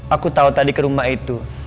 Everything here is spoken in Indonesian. aku tahu tadi ke rumah itu